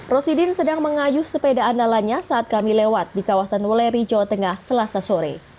rosidin sedang mengayuh sepeda andalanya saat kami lewat di kawasan weleri jawa tengah selasa sore